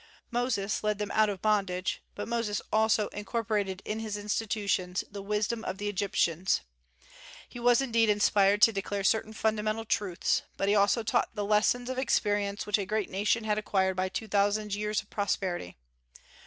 Moses led them out of bondage; but Moses also incorporated in his institutions the "wisdom of the Egyptians." He was indeed inspired to declare certain fundamental truths, but he also taught the lessons of experience which a great nation had acquired by two thousand years of prosperity.